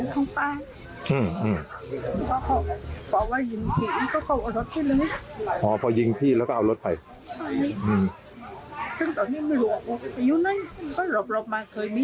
เคยมีมาทางนี้แต่ก็สี่ละพวกเขามาดีกันนะ